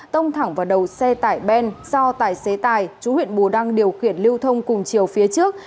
tông thẳng vào đầu xe tải ben do tài xế tài chú huyện bù đăng điều khiển lưu thông cùng chiều phía trước